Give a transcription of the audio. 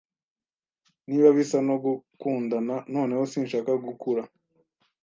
Niba bisa no gukundana noneho sinshaka gukura